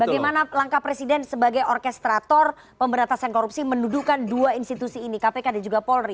bagaimana langkah presiden sebagai orkestrator pemberantasan korupsi mendudukan dua institusi ini kpk dan juga polri